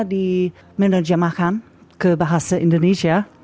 di menerjemahkan ke bahasa indonesia